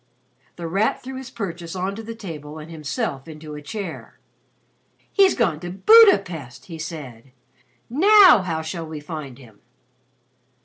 The Rat threw his purchase on to the table and himself into a chair. "He's gone to Budapest," he said. "Now how shall we find him?"